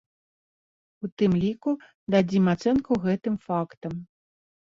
У тым ліку дадзім ацэнку гэтым фактам.